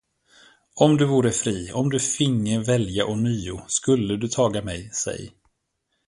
Om du vore fri, om du finge välja ånyo, skulle du taga mig, säg.